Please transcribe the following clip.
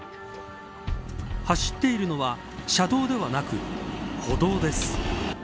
走っているのは車道ではなく歩道です。